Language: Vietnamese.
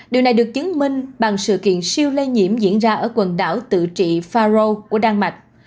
điều này được chứng minh bằng sự kiện siêu lây nhiễm diễn ra ở quần đảo tự trị pharo của đan mạch